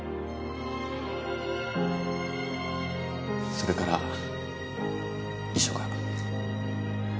それから遺書が。